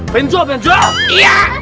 benjol benjol iya